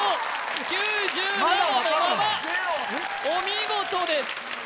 お見事です